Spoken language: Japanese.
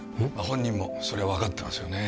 本人もそれは分かってますよね